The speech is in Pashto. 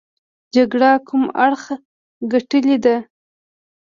جګړه کوم اړخ ګټلې ده.